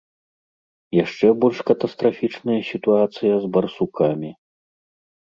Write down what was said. Яшчэ больш катастрафічная сітуацыя з барсукамі.